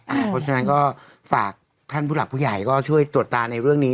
เพราะฉะนั้นก็ฝากท่านผู้หลักผู้ใหญ่ก็ช่วยตรวจตาในเรื่องนี้